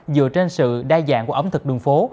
dựa trên sự đa dạng của ẩm thực đường phố